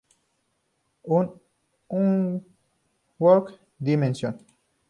The Unknown Dimension.